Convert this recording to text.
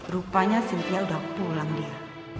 rupanya sintia udah pulang dia